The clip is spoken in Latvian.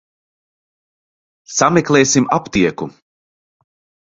Sameklēsim aptieku.